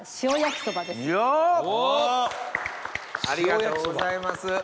ありがとうございます。